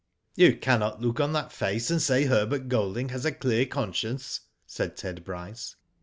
*' You cannot look on that. face and say Her bert Golding has a clear conscience/* said Ted Bryce.